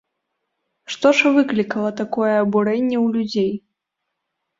Што ж выклікала такое абурэнне ў людзей?